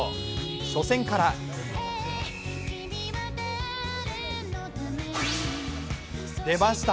初戦から出ました